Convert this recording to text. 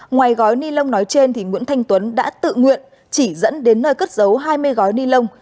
ngoài gói ni lông nói trên nguyễn thanh tuấn đã tự nguyện chỉ dẫn đến nơi cất giấu hai mươi gói ni lông